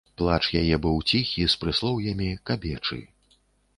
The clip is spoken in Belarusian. Плач яе быў ціхі, з прыслоўямі, кабечы.